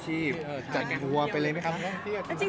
จัดปัวไปเลยไหมคะ